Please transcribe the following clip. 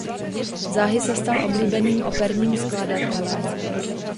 Záhy se stal oblíbeným operním skladatelem.